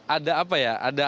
ada apa ya